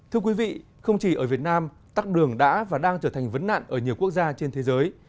thưa quý vị không chỉ ở việt nam tắc đường đã và đang trở thành vấn nạn ở nhiều quốc gia trên thế giới